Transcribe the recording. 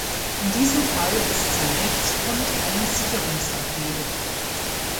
In diesem Fall ist sein Rechtsgrund eine Sicherungsabrede.